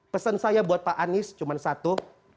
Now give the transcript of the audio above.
pesan saya buat pak anies cuma satu